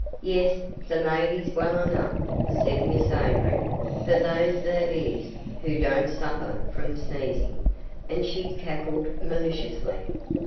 "Yes, the maidy's well enough," said Miss Avery, "for those that is, who don't suffer from sneezing." And she cackled maliciously.